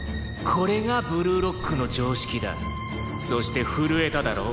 「これがブルーロックの常識だ」「そして震えただろ？